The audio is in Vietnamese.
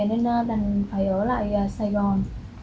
nên đang phải ở lại sài gòn